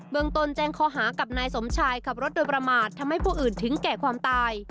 ตนแจ้งข้อหากับนายสมชายขับรถโดยประมาททำให้ผู้อื่นถึงแก่ความตาย